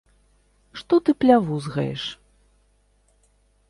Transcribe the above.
- Што ты плявузгаеш?